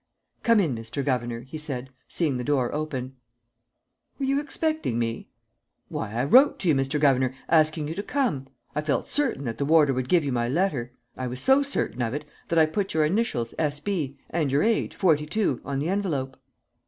"Come in, Mr. Governor," he said, seeing the door open. "Were you expecting me?" "Why, I wrote to you, Mr. Governor, asking you to come! I felt certain that the warder would give you my letter. I was so certain of it that I put your initials, S. B., and your age, forty two, on the envelope!"